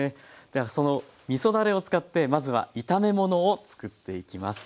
ではそのみそだれを使ってまずは炒め物を作っていきます。